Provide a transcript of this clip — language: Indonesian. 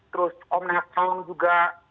terus om nassong juga